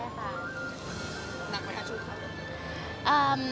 หนักไว้ทำชุดเขา